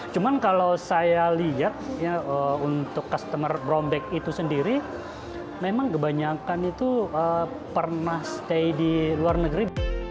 cuman kalau saya lihat untuk customer browback itu sendiri memang kebanyakan itu pernah stay di luar negeri